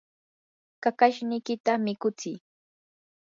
kakashniykita mikutsii